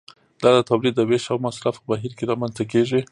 دا د تولید د ویش او مصرف په بهیر کې رامنځته کیږي.